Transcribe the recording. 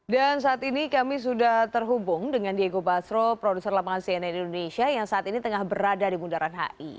dan saat ini kami sudah terhubung dengan diego basro produser lapangan cnn indonesia yang saat ini tengah berada di bundaran hi